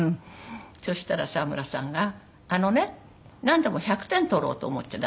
そしたら沢村さんが「あのねなんでも１００点取ろうと思っちゃダメよ」って。